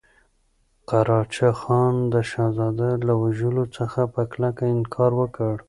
قراچه خان د شهزاده له وژلو څخه په کلکه انکار وکړ.